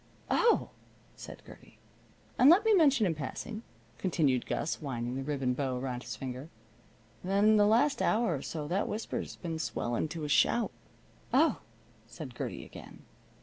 "Oh!" said Gertie. "And let me mention in passing," continued Gus, winding the ribbon bow around his finger, "that in the last hour or so that whisper has been swelling to a shout." "Oh!" said Gertie again.